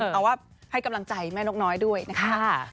เอาว่าให้กำลังใจแม่นกน้อยด้วยนะคะ